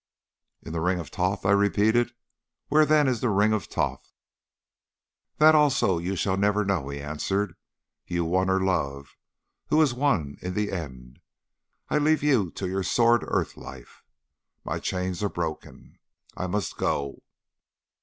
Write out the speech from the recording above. "'In the ring of Thoth!' I repeated; 'where then is the ring of Thoth?' "'That also you shall never know,' he answered. 'You won her love. Who has won in the end? I leave you to your sordid earth life. My chains are broken. I must go!